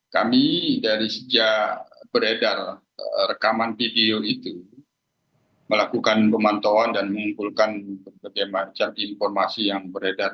kami dari sejak beredar rekaman video itu melakukan pemantauan dan mengumpulkan berbagai macam informasi yang beredar